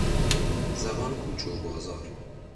زبان کوچه و بازار